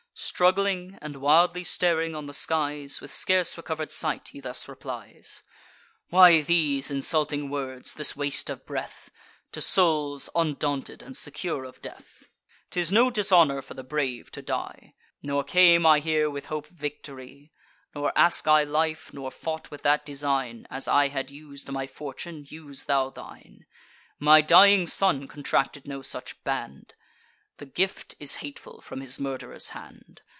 Struggling, and wildly staring on the skies, With scarce recover'd sight he thus replies: "Why these insulting words, this waste of breath, To souls undaunted, and secure of death? 'Tis no dishonour for the brave to die, Nor came I here with hope of victory; Nor ask I life, nor fought with that design: As I had us'd my fortune, use thou thine. My dying son contracted no such band; The gift is hateful from his murd'rer's hand.